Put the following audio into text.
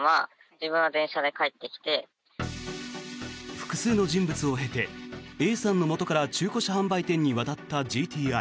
複数の人物を経てＡさんのもとから中古車販売店へ渡ったＧＴ−Ｒ。